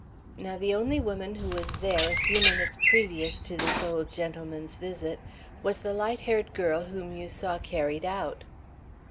Now the only woman who was there a few minutes previous to this old gentleman's visit was the light haired girl whom you saw carried out."